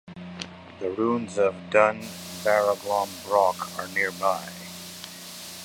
The ruins of Dun Barraglom broch are nearby.